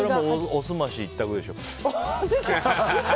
おすまし一択でしょ。